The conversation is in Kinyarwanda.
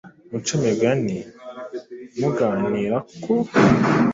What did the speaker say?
muce imigani muganira ku